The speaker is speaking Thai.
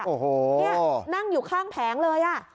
โอ้โหนี่นั่งอยู่ข้างแผงเลย